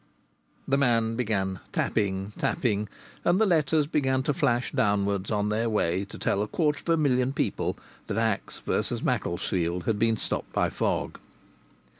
The man began tapping, tapping, and the letters began to flash downwards on their way to tell a quarter of a million people that Axe v. Macclesfield had been stopped by fog.